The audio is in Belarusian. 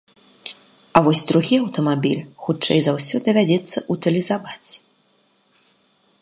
А вось другі аўтамабіль, хутчэй за ўсё, давядзецца ўтылізаваць.